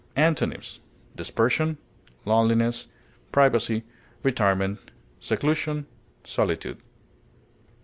Antonyms: dispersion, loneliness, privacy, retirement, seclusion, solitude.